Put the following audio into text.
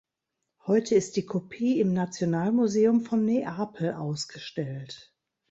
Heute ist die Kopie im Nationalmuseum von Neapel ausgestellt.